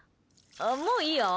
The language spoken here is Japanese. もういいよ。